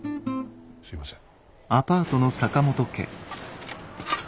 すいません。